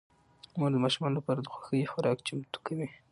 مور د ماشومانو لپاره د خوښې خوراک چمتو کوي